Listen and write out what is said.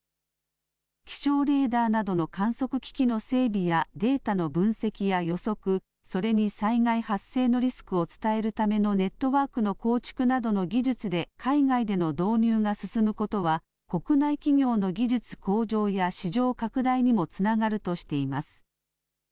気象レーダーなどの観測機器の整備や、データの分析や予測、それに災害発生のリスクを伝えるためのネットワークの構築などの技術で海外での導入が進むことは、国内企業の技術向上や市場拡大にもつながるとしています。